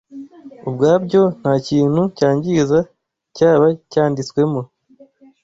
ubwabyo nta kintu cyangiza cyaba cyanditswemo.